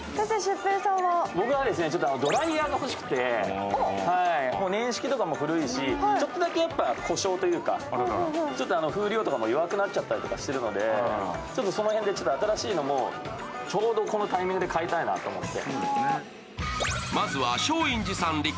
ドライやが欲しくて年式とかも古いし、ちょっとだけ故障というか、風量とかも弱くなっちゃったりとかしてるので、新しいのをちょうどこのタイミングで買いたいなと思って。